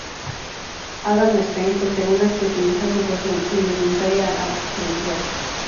Adam Strange posee una que utiliza junto a su indumentaria habitual.